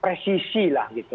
presisi lah gitu